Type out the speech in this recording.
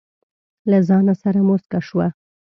له ځانه سره موسکه شوه.